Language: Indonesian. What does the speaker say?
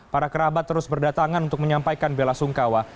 para kerabat terus berdatangan untuk menyampaikan bela sungkawa